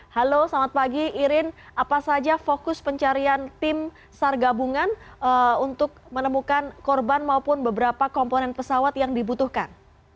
halo selamat pagi irin apa saja fokus pencarian tim sar gabungan untuk menemukan korban maupun beberapa komponen pesawat yang dibutuhkan